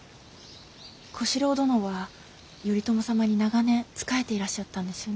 小四郎殿は頼朝様に長年仕えていらっしゃったんですよね。